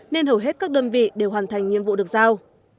nên hầu hết các đơn vị đều hoàn thành nhiệm vụ được giao